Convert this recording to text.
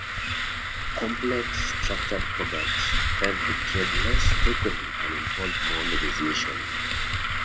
Complex structured products tend to trade less frequently and involve more negotiation.